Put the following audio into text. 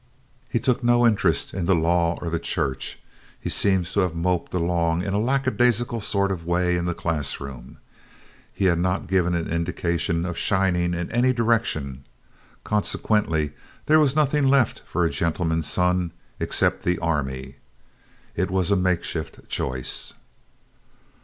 He took no interest in the law or the Church. He seems to have moped along in a lackadaisical sort of way in the classroom. He had not given an indication of "shining" in any direction. Consequently there was nothing left for a gentleman's son except the army! It was a make shift choice.